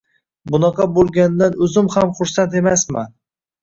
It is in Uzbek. Bunaqa boʻlganidan oʻzim ham xursand emasman.